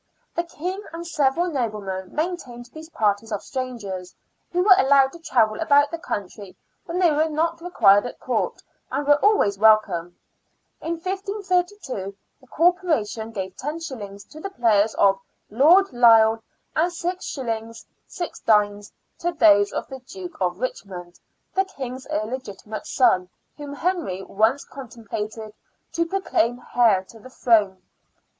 The King and several noblemen maintained these parties of strangers, who were allowed to travel about the country when they were not required at Court, and were always welcome. In 1532 the Corporation gave los. to the players of Lord Lisle and 6s. 6d. to those of the Duke of Richmond, the King's illegitimate son, whom Henry once contemplated to proclaim heir to the throne.